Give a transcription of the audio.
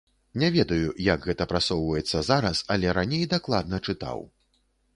Не ведаю, як гэта прасоўваецца зараз, але раней дакладна чытаў.